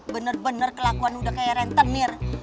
bener bener kelakuan udah kayak rentenir